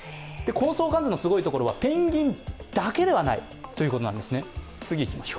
この相関図のすごいところはペンギンだけではないということです。